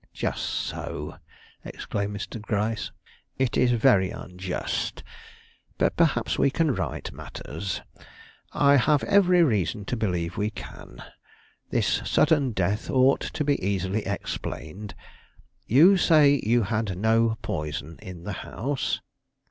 "Just so!" exclaimed Mr. Gryce; "it is very unjust. But perhaps we can right matters. I have every reason to believe we can. This sudden death ought to be easily explained. You say you had no poison in the house?"